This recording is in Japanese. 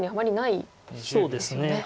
そうですね。